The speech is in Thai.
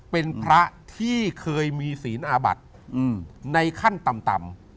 เป็นพระที่เคยมีศีลอาบัติในขั้นต่ำ